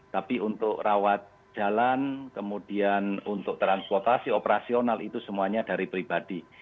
tapi untuk rawat jalan kemudian untuk transportasi operasional itu semuanya dari pribadi